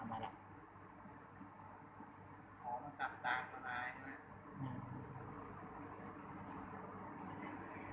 ตอนนี้ก็ไม่เห็นว่าจะเป็นแบบนี้